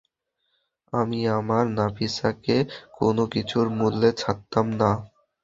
আমি আমার নাফিসাকে কোনো কিছুর মূল্যে ছাড়তাম না।